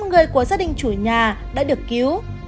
năm người của gia đình chủ nhà đã được cứu